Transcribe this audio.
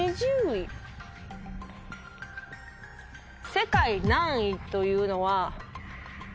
世界何位というのは。